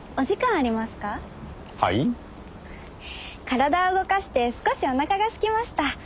体を動かして少しおなかがすきました。